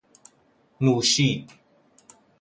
نوشید